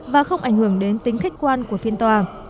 và không ảnh hưởng đến tính khách quan của phiên tòa